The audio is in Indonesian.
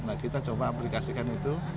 nah kita coba aplikasikan itu